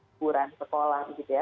ukuran sekolah begitu ya